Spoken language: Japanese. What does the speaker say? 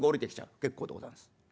「結構でござんす」。